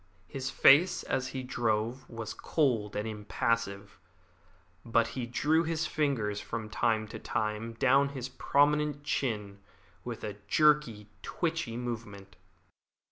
His face as he drove was cold and impassive, but he drew his fingers from time to time down his prominent chin with a jerky, twitchy movement.